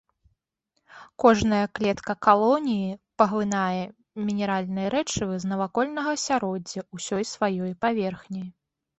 Кожная клетка калоніі паглынае мінеральныя рэчывы з навакольнага асяроддзя ўсёй сваёй паверхняй.